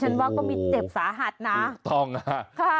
ฉันว่าก็มีเจ็บสาหัสนะโอ้โหถูกต้องนะค่ะค่ะ